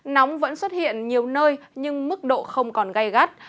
nóng vẫn xuất hiện nhiều nơi nhưng mức độ không còn gây gắt